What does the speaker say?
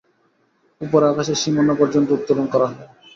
উপরে আকাশের সীমানা পর্যন্ত উত্তোলন করা হয়।